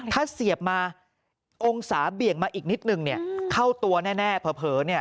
ถ้าเสียบมาองศาเบี่ยงมาอีกนิดนึงเข้าตัวแน่เผลอ